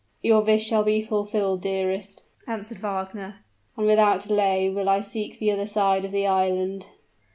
"Your wish shall be fulfilled, dearest," answered Wagner; "and without delay will I seek the other side of the island."